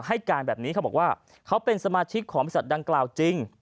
ให้การแบบนี้เขาบอกว่าเขาเป็นสมาชิกของบริษัทดังกล่าวจริง